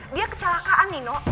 dia kecelakaan nino